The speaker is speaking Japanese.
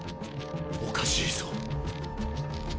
おかしいぞ。